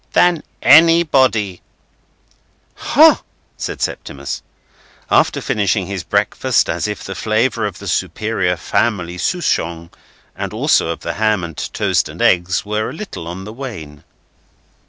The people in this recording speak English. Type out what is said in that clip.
"Than anybody." "Hah!" said Septimus. And finished his breakfast as if the flavour of the Superior Family Souchong, and also of the ham and toast and eggs, were a little on the wane.